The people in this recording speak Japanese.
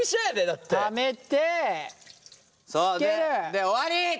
で終わり！